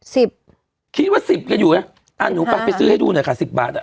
สิบคิดว่าสิบกันอยู่นะอ่าหนูไปไปซื้อให้ดูหน่อยค่ะสิบบาทอ่ะ